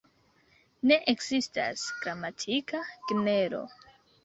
Ne ekzistas gramatika genro.